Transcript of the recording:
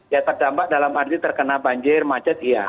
ya terdampak dalam arti terkena banjir macet iya